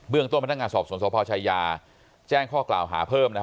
เบื้องต้นมาทางการสอบสวนสมภาวชัยยาแจ้งข้อกล่าวหาเพิ่ม